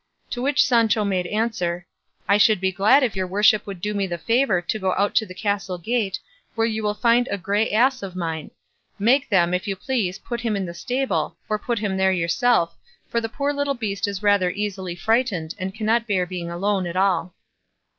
To which Sancho made answer, "I should be glad if your worship would do me the favour to go out to the castle gate, where you will find a grey ass of mine; make them, if you please, put him in the stable, or put him there yourself, for the poor little beast is rather easily frightened, and cannot bear being alone at all."